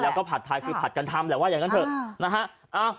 แล้วก็ผัดไทยคือผัดกันทำแหละว่าอย่างนั้นเถอะนะฮะ